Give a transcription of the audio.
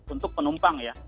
untuk penumpang ya